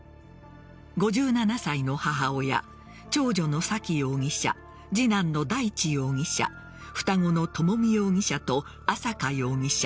５７歳の母親長女の沙喜容疑者次男の大地容疑者双子の朝美容疑者と朝華容疑者。